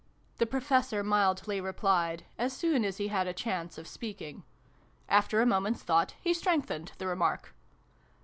" the Professor mildly replied, as soon as he had a chance of speaking. After a moment's thought he strengthened the remark.